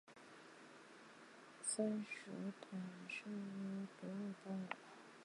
鼢鼠属等数种哺乳动物。